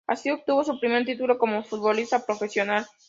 Así obtuvo su primer título como futbolista profesional.